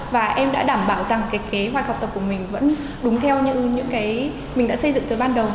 và em đã đảm bảo rằng cái kế hoạch học tập của mình vẫn đúng theo những cái mình đã xây dựng từ ban đầu